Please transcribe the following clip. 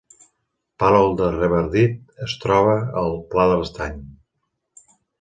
Palol de Revardit es troba al Pla de l’Estany